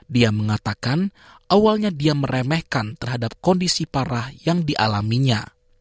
dia mengatakan awalnya dia meremehkan terhadap kondisi parah yang dialaminya